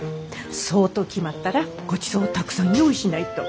そうと決まったらごちそうをたくさん用意しないと。